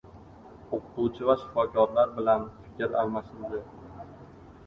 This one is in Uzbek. O‘qituvchi va shifokorlar bilan fikr almashildi